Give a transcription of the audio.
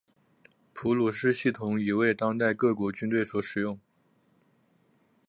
普鲁士系统已为当代各国军队所使用。